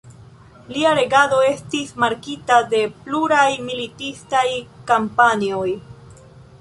Lia regado estis markita de pluraj militistaj kampanjoj.